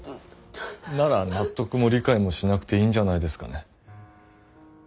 なら納得も理解もしなくていいんじゃないですかね。